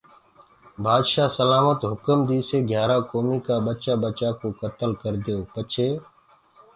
بآدشآه سلآمت هُڪم ديسي گھِيآرآ ڪوميٚ ڪآ ٻچآ ٻچآ ڪو ڪتل ڪرديئو پڇي